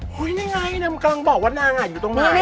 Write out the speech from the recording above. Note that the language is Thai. เฮ้ยนี่ไงมันกำลังบอกว่านางอยู่ตรงไหน